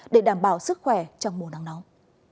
để đảm bảo sức khỏe trong mùa nắng nóng